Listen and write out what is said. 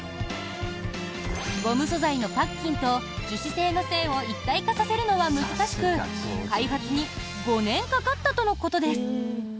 ゴム素材のパッキンと樹脂製の栓を一体化させるのは難しく開発に５年かかったとのことです。